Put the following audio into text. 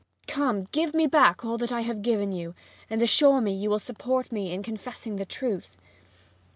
Come, give me back all that I have given you, and assure me you will support me in confessing the truth!'